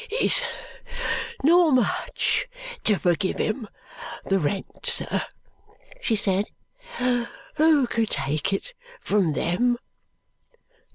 "It's not much to forgive 'em the rent, sir," she said; "who could take it from them!"